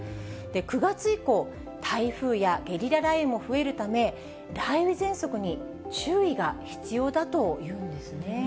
９月以降、台風やゲリラ雷雨も増えるため、雷雨ぜんそくに注意が必要だというんですね。